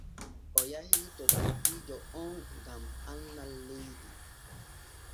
O yahi to dottiijo on gam annal leydi.